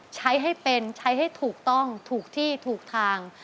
ใช้ให้เป็นใช้ให้ถูกต้องถูกที่ถูกทาง